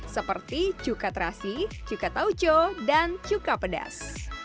seperti cukat rasi cukat tauco dan cukah pedas